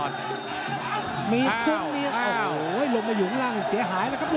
ลมไปหยุงล่างสิ้นเสียหายแล้วครับ